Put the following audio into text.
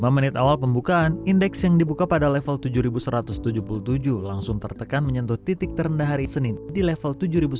lima menit awal pembukaan indeks yang dibuka pada level tujuh ribu satu ratus tujuh puluh tujuh langsung tertekan menyentuh titik terendah hari senin di level tujuh ribu satu ratus empat puluh tujuh